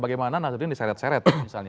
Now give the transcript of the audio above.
bagaimana nazarudin diseret seret